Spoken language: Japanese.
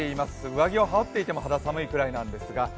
上着を羽織っていても肌寒いぐらいなんですが。